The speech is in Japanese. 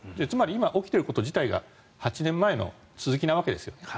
つまり、今起きていること自体が８年前の続きなわけです。